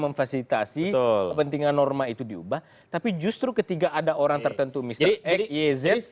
memfasilitasi pentingan norma itu diubah tapi justru ketiga ada orang tertentu misalnya